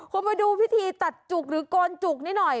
คุณมาดูพิธีตัดจุกหรือโกนจุกนิดหน่อย